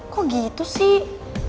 kok gitu sih